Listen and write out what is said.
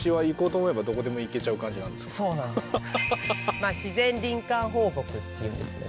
まあ自然林間放牧っていうんですよね